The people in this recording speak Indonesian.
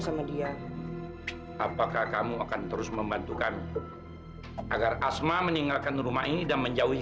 sama dia apakah kamu akan terus membantu kami agar asma meninggalkan rumah ini dan menjauhi